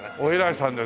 いさんで。